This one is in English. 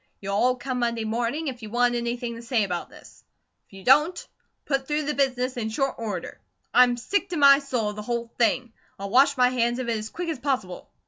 You'll all come Monday morning, if you want anything to say about this. If you don't, I'll put through the business in short order. I'm sick to my soul of the whole thing. I'll wash my hands of it as quick as possible."